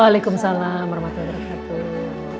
waalaikumsalam warahmatullahi wabarakatuh